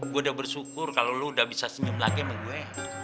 gue udah bersyukur kalau lo udah bisa senyum lagi sama gue